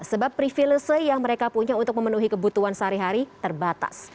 sebab privilege yang mereka punya untuk memenuhi kebutuhan sehari hari terbatas